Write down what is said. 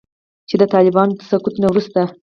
چې د طالبانو د سقوط نه وروسته